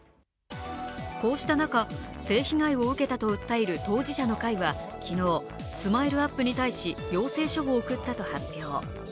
こうした中、性被害を受けたと訴える当事者の会は昨日、ＳＭＩＬＥ−ＵＰ．に対し、要請書を送ったと発表。